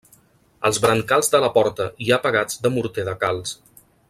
Als brancals de la porta hi ha pegats de morter de calç.